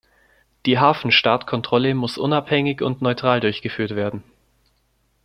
Die Hafenstaatkontrolle muss unabhängig und neutral durchgeführt werden.